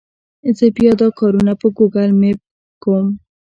زه بیا دا کارونه په ګوګل مېپ کوم.